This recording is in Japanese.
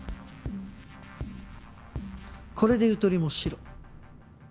これでゆとりもシロ。